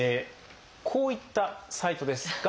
こういったサイトです。